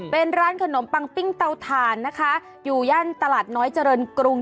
เป็นร้านขนมปังปิ้งเตาถ่านนะคะอยู่ย่านตลาดน้อยเจริญกรุง